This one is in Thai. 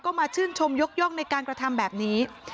ก็มาชื่นชมยกย่องในการกระทำแบบนี้